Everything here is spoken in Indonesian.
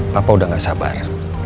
papa udah gak sabar